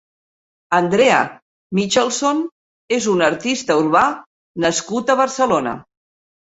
Andrea Michaelsson és un artista urbà nascut a Barcelona.